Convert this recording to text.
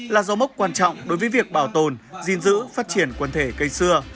là do mốc quan trọng đối với việc bảo tồn diên dữ phát triển quần thể cây xưa